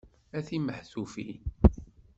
A timehtufin!